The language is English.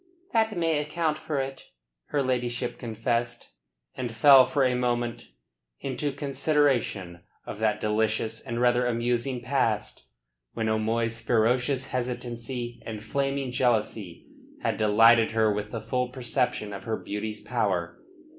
"That may account for it," her ladyship confessed, and fell for a moment into consideration of that delicious and rather amusing past, when O'Moy's ferocious hesitancy and flaming jealousy had delighted her with the full perception of her beauty's power.